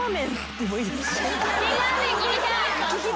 辛ラーメン聞きたい。